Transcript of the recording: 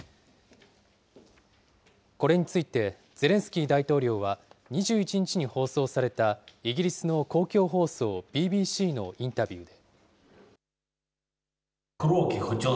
これについて、ゼレンスキー大統領は、２１日に放送されたイギリスの公共放送ＢＢＣのインタビューで。